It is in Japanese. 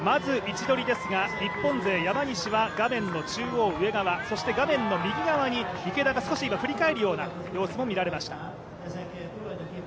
日本勢、山西は画面の中央上側、そして画面右側に池田が、少し今振り返るような様子も見られました。